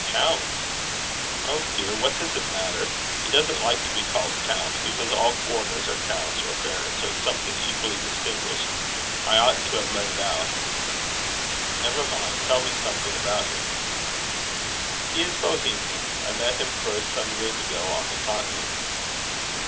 "Count?" "Oh dear! what does it matter? He doesn't like to be called Count, because all foreigners are counts or barons, or something equally distinguished. I oughtn't to have let it out." "Never mind. Tell me something about him." "He is a Bohemian. I met him first, some years ago, on the continent."